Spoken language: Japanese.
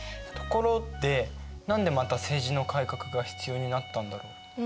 ところで何でまた政治の改革が必要になったんだろう？